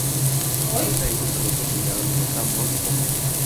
Desa itu terletak di dalam Kota Mount Hope.